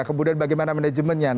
kemudian bagaimana manajemennya